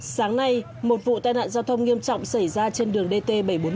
sáng nay một vụ tai nạn giao thông nghiêm trọng xảy ra trên đường dt bảy trăm bốn mươi năm